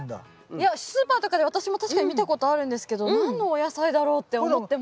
いやスーパーとかで私も確かに見たことあるんですけど何のお野菜だろうって思ってました。